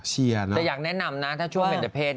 แต่อย่าแนะนำนะคะเวลาเบนเจอร์เพศ